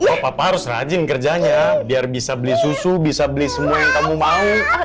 oh papa harus rajin kerjanya biar bisa beli susu bisa beli semua yang kamu mau